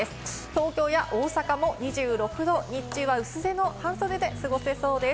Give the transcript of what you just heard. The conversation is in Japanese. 東京や大阪も２６度、日中は薄手の半袖で過ごせそうです。